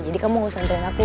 jadi kamu gak usah ntarin aku